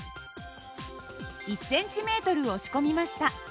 １ｃｍ押し込みました。